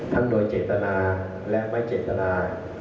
โดยเจตนาและไม่เจตนา